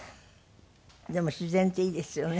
でも自然っていいですよね。